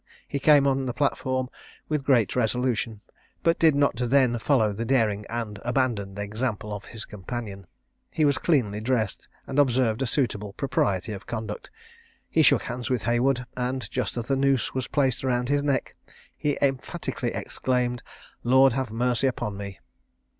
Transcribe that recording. He came on the platform with great resolution, but did not then follow the daring and abandoned example of his companion: he was cleanly dressed, and observed a suitable propriety of conduct; he shook hands with Haywood; and, just as the noose was placed round his neck, he emphatically exclaimed, "Lord, have mercy upon me!"